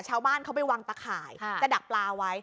ชาวบ้านเขาไปวางตะข่ายจะดักปลาไว้